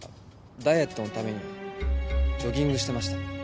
ダイエットのためにジョギングしてました。